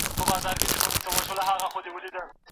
او سره له هغه چي تقر یباً ټول عمر یې